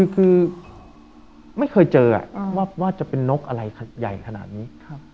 คือไม่เคยเจอว่าจะเป็นนกอะไรใหญ่ขนาดนี้